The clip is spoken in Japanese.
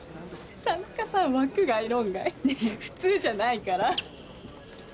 田中さんは枠外論外普通じゃないから。